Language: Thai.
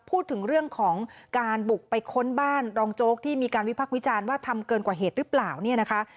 พูดถึงเรื่องของการบุกไปค้นบ้านรองโจ๊กที่มีการวิพักษ์วิจารณ์ว่าทำเกินกว่าเหตุหรือเปล่าเนี่ยนะคะ